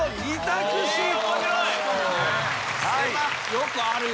よくあるよね。